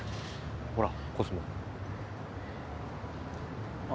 ほらコスモあ